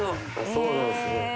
「そうなんすね」